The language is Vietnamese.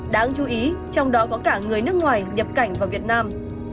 đáng chú ý trong đó có cả người nước ngoài nhập cảnh vào việt nam